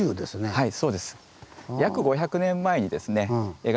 はい。